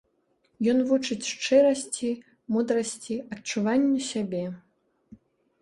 Ён вучыць шчырасці, мудрасці, адчуванню сябе.